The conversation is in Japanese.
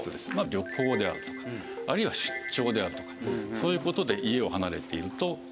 旅行であるとかあるいは出張であるとかそういう事で家を離れていると「あっ楽になった」